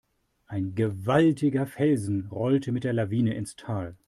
Ein gewaltiger Felsen rollte mit der Lawine ins Tal.